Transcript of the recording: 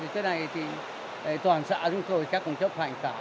thế này thì toàn xã chúng tôi chắc cũng chấp hành cả